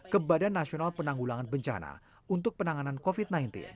kepada nasional penanggulangan bencana untuk penanganan covid sembilan belas